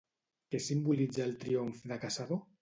Què simbolitza el triomf de Casado?